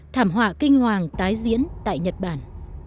thảm họa kinh hoàng tái diễn tại nhật bản